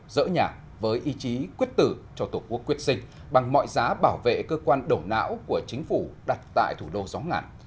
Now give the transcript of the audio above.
dỡ nhà với ý chí quyết tử cho tổ quốc quyết sinh bằng mọi giá bảo vệ cơ quan đổ não của chính phủ đặt tại thủ đô gió ngạn